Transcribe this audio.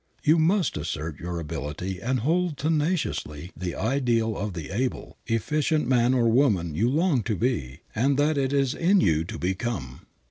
You must assert your ability and hold tenaciously the ideal of the able, efficient man or woman you long to be and that it is in you to become.